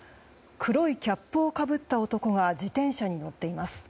黒いキャップをかぶった男が自転車に乗っています。